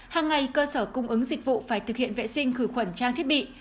hàng ngày cơ sở cung ứng dịch vụ phải thực hiện vệ sinh khử khuẩn trang thiết bị